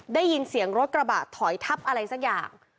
ได้ยินเสียงรถกระบะถอยทับอะไรสักอย่าง